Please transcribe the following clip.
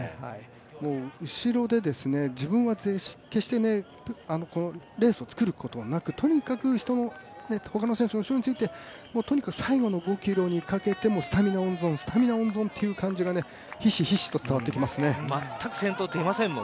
もう後ろで自分は決して、レースをつくることはなく、とにかく人の、他の選手の後ろについて、とにかく最後の５ｋｍにかけてスタミナ温存、スタミナ温存という感じがひしひしと伝わってきますね。